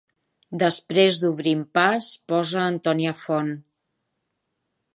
Després d'obrint pas posa Antònia Font.